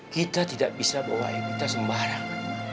kita tidak bisa bawa evita sembarang